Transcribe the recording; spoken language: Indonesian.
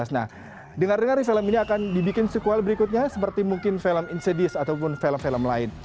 nah dengar dengar di film ini akan dibikin sequal berikutnya seperti mungkin film insidious ataupun film film lain